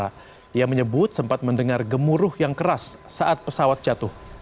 dia menyebut sempat mendengar gemuruh yang keras saat pesawat jatuh